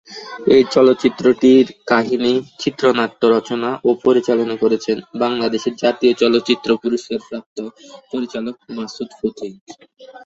এই চলচ্চিত্রটি কাহিনি, চিত্রনাট্য রচনা ও পরিচালনা করেছেন বাংলাদেশের জাতীয় চলচ্চিত্র পুরস্কার প্রাপ্ত পরিচালক মাসুদ পথিক।